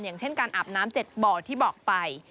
อย่างเช่นการอาบน้ำ๗บ่อที่บอกไป